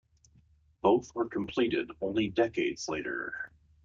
Both were completed only decades later.